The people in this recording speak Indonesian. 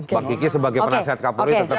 bang kiki sebagai penasehat kapolri tetap